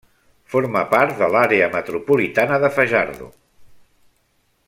Forma part de l'Àrea metropolitana de Fajardo.